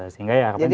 sehingga ya harapannya